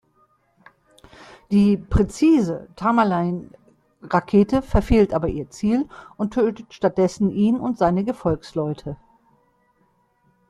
Die "präzise" Tamerlane-Rakete verfehlt aber ihr Ziel und tötet stattdessen ihn und seine Gefolgsleute.